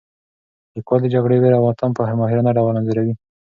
لیکوال د جګړې ویر او ماتم په ماهرانه ډول انځوروي.